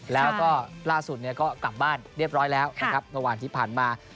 แล้วก็ล่าสุดเนี่ยก็กลับบ้านเรียบร้อยแล้วนะครับเมื่อวานที่ผ่านมา